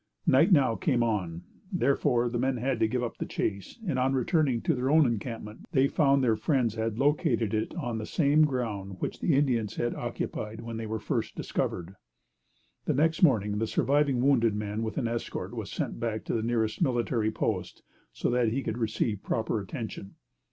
Night now came on; therefore, the men had to give up the chase, and on returning to their own encampment they found their friends had located it on the same ground which the Indians had occupied when they were first discovered. The next morning the surviving wounded man, with an escort, was sent back to the nearest military post, so that he could receive proper attention.